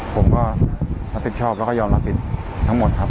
ผมก็รับผิดชอบแล้วก็ยอมรับผิดทั้งหมดครับ